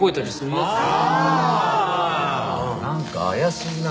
なんか怪しいな。